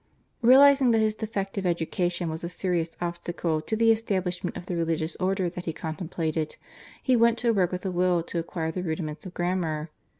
Realising that his defective education was a serious obstacle to the establishment of the religious order that he contemplated, he went to work with a will to acquire the rudiments of grammar.